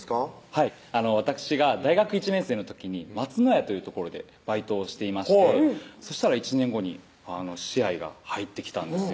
はいわたくしが大学１年生の時に松のやという所でバイトをしていましてそしたら１年後に詩愛が入ってきたんですよ